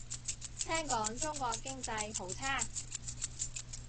聽講中國經濟好差